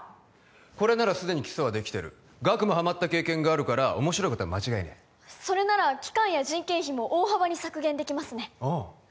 これならすでに基礎はできてるガクもハマった経験があるから面白いことは間違いねえそれなら期間や人件費も大幅に削減できますねああ